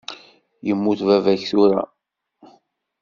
Yemmut baba-k tura.